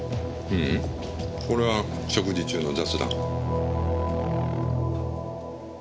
ううんこれは食事中の雑談。